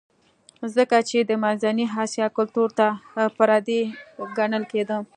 ځکه چې د منځنۍ اسیا کلتور ته پردی ګڼل کېده